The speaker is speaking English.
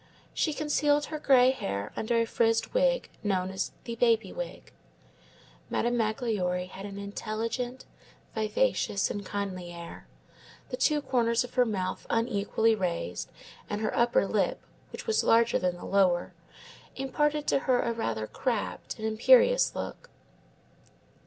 She concealed her gray hair under a frizzed wig known as the baby wig. Madame Magloire had an intelligent, vivacious, and kindly air; the two corners of her mouth unequally raised, and her upper lip, which was larger than the lower, imparted to her a rather crabbed and imperious look.